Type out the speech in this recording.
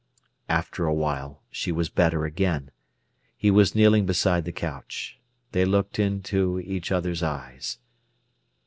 After a while she was better again. He was kneeling beside the couch. They looked into each other's eyes.